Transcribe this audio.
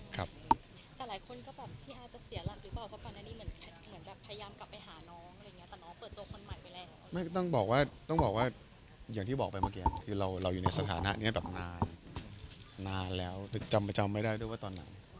ก็ต้องบอกว่าอย่างที่บอกไปเมื่อกี้เราอยู่ในสถานะนี้นาน